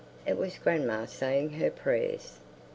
It was grandma saying her prayers....